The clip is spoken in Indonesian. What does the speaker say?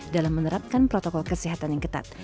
dalam menerapkan protokol kesehatan yang ketat